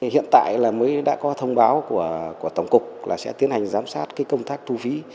hiện tại mới đã có thông báo của tổng cục là sẽ tiến hành giám sát công tác thu phí